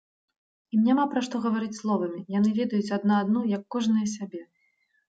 Ім няма пра што гаварыць словамі, яны ведаюць адна адну, як кожная сябе.